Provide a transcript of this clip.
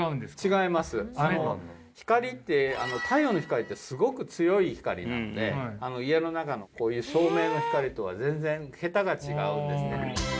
違います光って太陽の光ってすごく強い光なので家の中のこういう照明の光とは全然桁が違うんですね